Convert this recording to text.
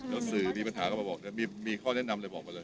แล้วสื่อมีปัญหาก็มาบอกได้มีข้อแนะนำเลยบอกมาเลย